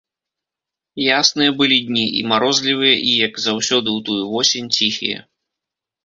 Ясныя былі дні, і марозлівыя, і, як заўсёды ў тую восень, ціхія.